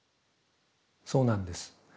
そうなんです。